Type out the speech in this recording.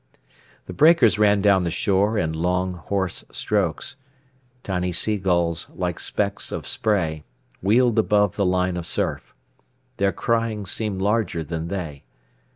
The breakers ran down the shore in long, hoarse strokes. Tiny seagulls, like specks of spray, wheeled above the line of surf. Their crying seemed larger than they.